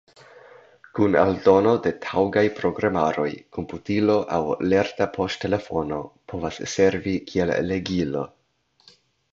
Kun aldono de taŭgaj programaroj komputilo aŭ lerta poŝtelefono povas servi kiel legilo.